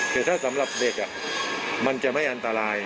แต่ถ้าสำหรับเด็กมันจะไม่อันตราย